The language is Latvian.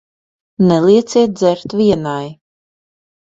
Nelieciet dzert vienai.